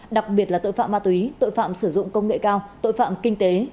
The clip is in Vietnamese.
đặc biệt là tội phạm ma túy tội phạm sử dụng công nghệ cao tội phạm kinh tế